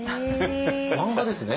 漫画ですね？